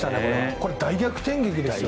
これ、大逆転劇ですよ。